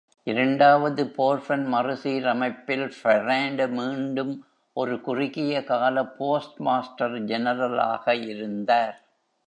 இரண்டாவது போர்பன் மறுசீரமைப்பில் ஃபெராண்ட் மீண்டும் ஒரு குறுகிய கால போஸ்ட் மாஸ்டர் ஜெனரலாக இருந்தார்.